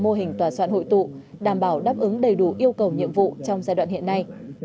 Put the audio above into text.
mô hình tòa soạn hội tụ đảm bảo đáp ứng đầy đủ yêu cầu nhiệm vụ trong giai đoạn hiện nay